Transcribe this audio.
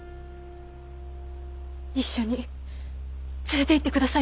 一緒に連れていってくださいませ！